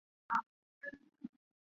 生灵是活着的人的灵魂出窍。